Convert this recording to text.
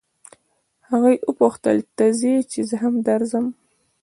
هغې وپوښتل ته ځې چې زه هم درځم.